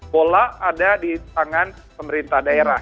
bola ada di tangan pemerintah daerah